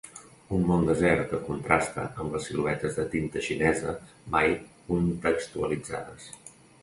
Un món desert que contrasta amb les siluetes de tinta xinesa mai contextualitzades.